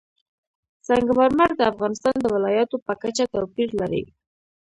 سنگ مرمر د افغانستان د ولایاتو په کچه توپیر لري.